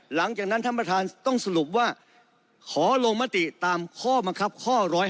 หลังจากนั้นท่านประธานต้องสรุปว่าขอลงมติตามข้อบังคับข้อ๑๕